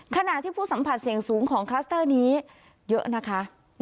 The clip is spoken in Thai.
ขณะที่ผู้สัมผัสเสี่ยงสูงของคลัสเตอร์นี้เยอะนะคะ